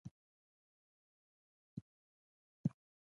ملا صاحب ویل دا سپي مه ساتئ بد کار کوي.